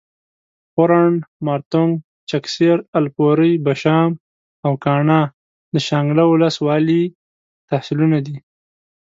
پورڼ، مارتونګ، چکېسر، الپورۍ، بشام او کاڼا د شانګله اولس والۍ تحصیلونه دي